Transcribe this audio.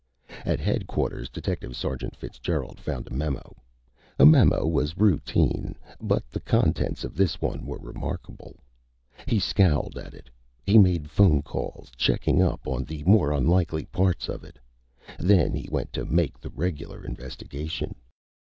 At Headquarters, Detective Sergeant Fitzgerald found a memo. A memo was routine, but the contents of this one were remarkable. He scowled at it. He made phone calls, checking up on the more unlikely parts of it. Then he went to make the regular investigation.